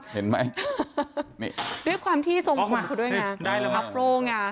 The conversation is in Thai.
เห็นไหมด้วยความที่ทรงผมเขาด้วยไงมาโผล่ไง